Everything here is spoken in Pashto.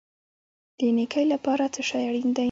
د نیکۍ لپاره څه شی اړین دی؟